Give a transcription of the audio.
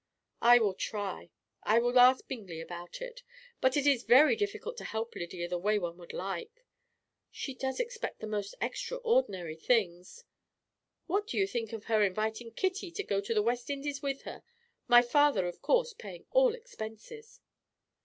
"I will try; I will ask Bingley about it; but it is very difficult to help Lydia the way one would like. She does expect the most extraordinary things! What do you think of her inviting Kitty to go to the West Indies with her, my father, of course, paying all expenses?"